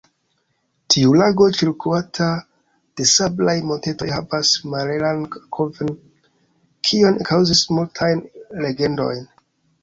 Tiu lago, ĉirkaŭata de sablaj montetoj, havas malhelan akvon, kio kaŭzis multajn legendojn.